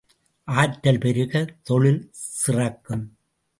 ஆற்றல் பெருக, தொழில் சிறக்கும்.